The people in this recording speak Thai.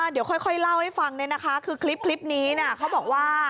เดี๋ยวค่อยเล่าให้ฟังเนี่ยนะคะคือคลิปนี้เขาบอกว่า